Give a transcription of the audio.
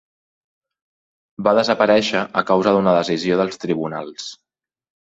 Va desaparèixer a causa d'una decisió dels tribunals.